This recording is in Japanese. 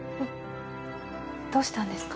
どうしたんですか？